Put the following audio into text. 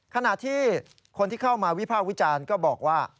ขณะที่คนที่เข้ามาวิภาควิจารณ์ก็บอกว่า